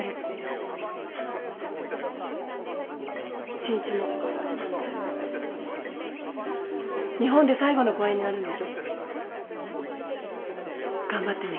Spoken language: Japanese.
真一も日本で最後の公演になるんでしょ？頑張ってね。